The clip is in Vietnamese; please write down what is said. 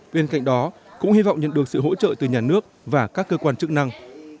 bên cạnh đó cũng hy vọng nhận được sự hỗ trợ từ nhà nước và các cơ quan chức năng